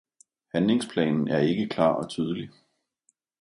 Handlingsplanen er ikke klar og tydelig.